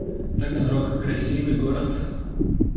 Таганрог — красивый город